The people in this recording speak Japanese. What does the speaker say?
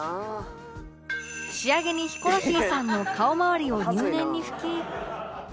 仕上げにヒコロヒーさんの顔周りを入念に拭き